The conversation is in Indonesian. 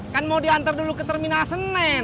kan mau diantar dulu ke terminal senen